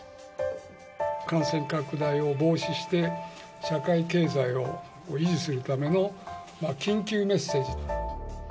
感染拡大を防止して、社会経済を維持するための緊急メッセージ。